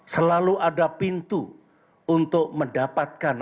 selalu ada pintu untuk mendapatkan